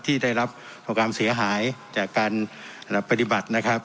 ที่ได้รับความเสียหายจากการปฏิบัตินะครับ